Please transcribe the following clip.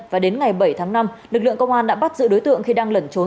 và đến ngày bảy tháng năm lực lượng công an đã bắt giữ đối tượng khi đang lẩn trốn